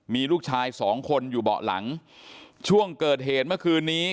มีลูกชายสองคนอยู่เบาะหลังช่วงเกิดเหตุเมื่อคืนนี้